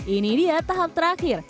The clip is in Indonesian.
ini dia tahap terakhir